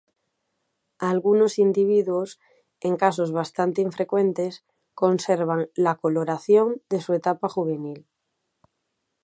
Algunos individuos, en casos bastante infrecuentes, conservan la coloración de su etapa juvenil.